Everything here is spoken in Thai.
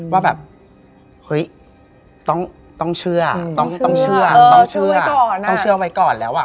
ว่าแบบเฮ้ยต้องเชื่อต้องเชื่อต้องเชื่อต้องเชื่อไว้ก่อนแล้วอ่ะ